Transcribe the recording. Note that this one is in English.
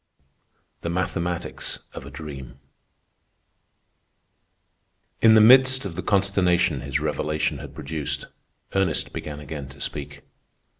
THE MATHEMATICS OF A DREAM In the midst of the consternation his revelation had produced, Ernest began again to speak.